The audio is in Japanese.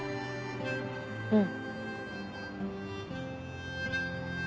うん。